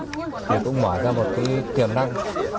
chúng tôi cũng mở ra một tiềm năng